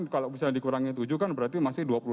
kalau bisa dikurangi tujuh kan berarti masih